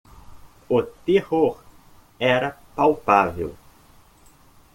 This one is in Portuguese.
O terror era palpável.